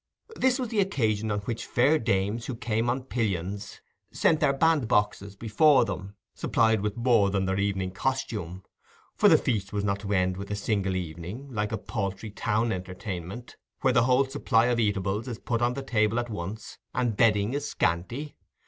This was the occasion on which fair dames who came on pillions sent their bandboxes before them, supplied with more than their evening costume; for the feast was not to end with a single evening, like a paltry town entertainment, where the whole supply of eatables is put on the table at once, and bedding is scanty.